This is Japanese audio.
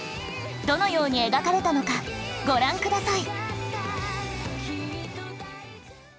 どのように描かれたのかご覧ください。